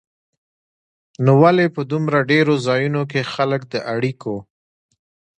نو ولې په دومره ډېرو ځایونو کې خلک د اړیکو